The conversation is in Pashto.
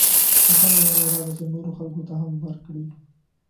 اسانه لاره يې دا ده چې نورو خلکو ته هم ورکړي.